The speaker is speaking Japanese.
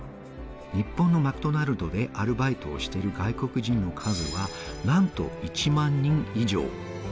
日本のマクドナルドでアルバイトをしている外国人の数はなんと１万人以上。